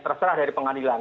terserah dari pengadilan